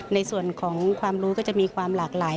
ในส่วนของความรู้ก็จะมีความหลากหลาย